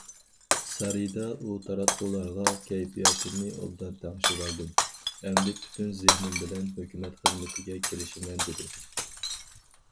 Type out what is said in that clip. سارىيىدا ئۇ تاراتقۇلارغا« كەيپىياتىمنى ئوبدان تەڭشىۋالدىم، ئەمدى پۈتۈن زېھنىم بىلەن ھۆكۈمەت خىزمىتىگە كىرىشىمەن» دېدى.